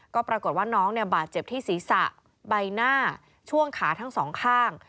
ก็ปรากฏว่าน้องบาดเจ็บที่ศีรษะใบหน้าช่วงขาทั้งสองข้าง